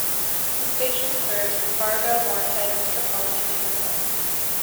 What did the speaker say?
The station serves the Fargo-Moorhead metropolitan area.